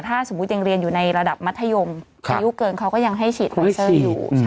ถ้าสมมุติยังเรียนอยู่ในระดับมัธยมอายุเกินเขาก็ยังให้ฉีดมอเซอร์อยู่